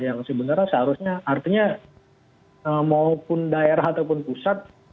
yang sebenarnya seharusnya artinya maupun daerah ataupun pusat